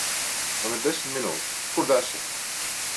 Man ir desmit minūtes. Kur desa?